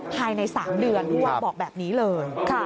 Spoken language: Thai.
ภายใน๓เดือนบอกแบบนี้เลย